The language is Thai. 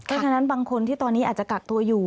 เพราะฉะนั้นบางคนที่ตอนนี้อาจจะกักตัวอยู่